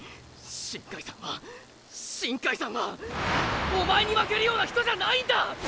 新開さんは新開さんはおまえに負けるような人じゃないんだ！